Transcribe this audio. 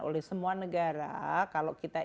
oleh semua negara kalau kita